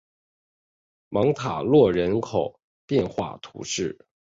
芒塔洛人口变化图示